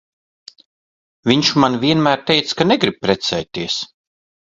Viņš man vienmēr teica, ka negrib precēties.